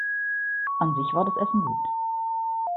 An sich war das Essen gut.